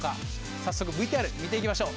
早速ＶＴＲ見ていきましょう！